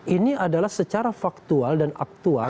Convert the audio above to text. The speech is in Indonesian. ini adalah secara faktual dan aktual